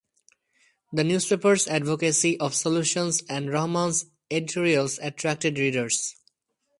The newspaper's advocacy of solutions and Rahman's editorials attracted readers.